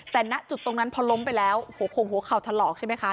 แต่ณจุดตรงนั้นพอล้มไปแล้วหัวโขงหัวเข่าถลอกใช่ไหมคะ